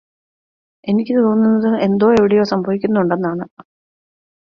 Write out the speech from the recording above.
എനിക്ക് തോന്നുന്നത് എന്തോ എവിടെയോ സംഭവിക്കുന്നുണ്ട് എന്നാണ്